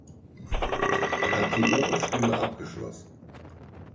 Er hat die Oberschule abgeschlossen.